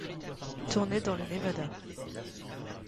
Tourné dans le Nevada.